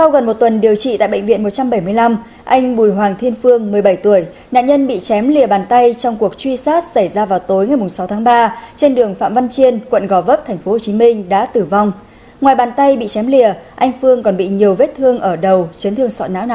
các bạn hãy đăng ký kênh để ủng hộ kênh của chúng mình nhé